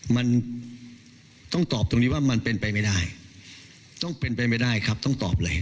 มันต้องตอบตรงนี้ว่ามันเป็นไปไม่ได้ต้องเป็นไปไม่ได้ครับต้องตอบเลย